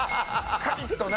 カリッとな。